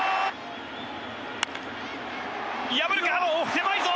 狭いぞ？